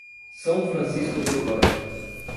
São Francisco do Glória